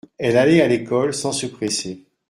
Elle allait à l’école sans se presser.